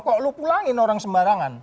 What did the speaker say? kok lo pulangin orang sembarangan